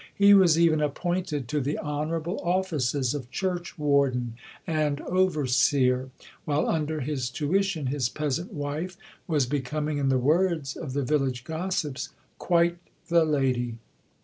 He was even appointed to the honourable offices of churchwarden and overseer; while under his tuition his peasant wife was becoming, in the words of the village gossips, "quite the lady."